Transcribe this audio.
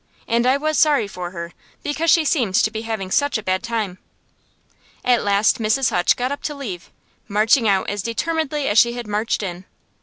And I was sorry for her, because she seemed to be having such a bad time. At last Mrs. Hutch got up to leave, marching out as determinedly as she had marched in.